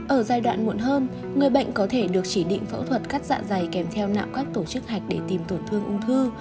ở giai đoạn muộn hơn người bệnh có thể được chỉ định phẫu thuật cắt dạ dày kèm theo nạo các tổ chức hạch để tìm tổn thương ung thư